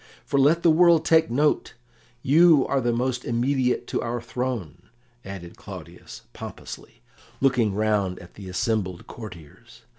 "For let the world take note, you are the most immediate to our throne," added Claudius pompously, looking round at the assembled courtiers.